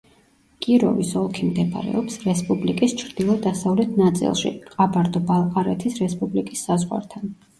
კიროვის ოლქი მდებარეობს რესპუბლიკის ჩრდილო-დასავლეთ ნაწილში, ყაბარდო-ბალყარეთის რესპუბლიკის საზღვართან.